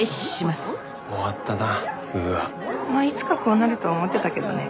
まあいつかこうなるとは思ってたけどね。